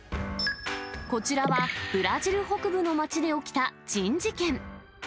こちらは、ブラジル北部の町で起きた珍事件。